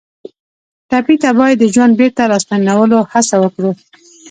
ټپي ته باید د ژوند بېرته راستنولو هڅه وکړو.